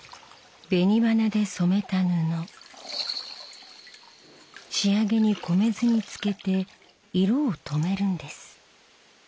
紅花で染めた布仕上げに米酢につけて色を止めるんです。